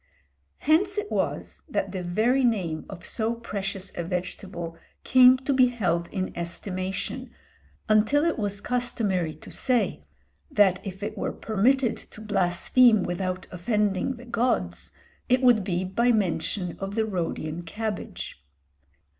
Hence it was that the very name of so precious a vegetable came to be held in estimation, until it was customary to say that if it were permitted to blaspheme without offending the gods, it would be by mention of the Rhodian cabbage.